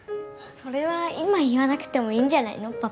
それは今言わなくてもいいんじゃないの？